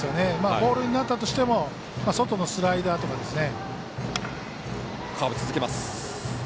ボールになったとしても外のスライダーとかですね。